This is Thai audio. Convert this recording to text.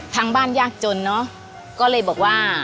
ทางบ้านยากจนเนอะก็เลยบอกว่า